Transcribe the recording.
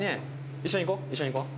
一緒に行こう一緒に行こう！